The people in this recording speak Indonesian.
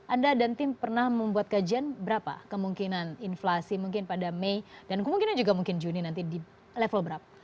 anda dan tim pernah membuat kajian berapa kemungkinan inflasi mungkin pada mei dan kemungkinan juga mungkin juni nanti di level berapa